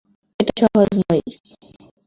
এটা সহজ নয়।